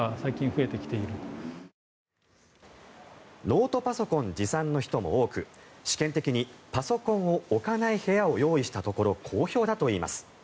ノートパソコン持参の人も多く試験的にパソコンを置かない部屋を用意したところ好評だといいます。